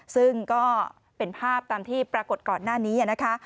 ซึ่งก็เป็นภาพตามที่ปรากฏก่อนหน้านี้นะคะ